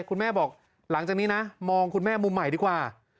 คุณแม่บอกหลังจากนี้นะมองคุณแม่มุมใหม่ดีกว่า